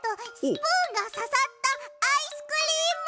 スプーンがささったアイスクリーム。